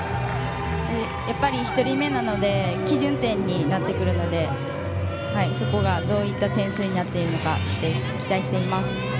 やっぱり１人目なので基準点になってくるのでそこがどういった点数になっていくのか期待しています。